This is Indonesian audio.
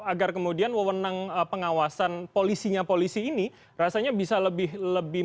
agar kemudian wewenang pengawasan polisinya polisi ini rasanya bisa lebih lebih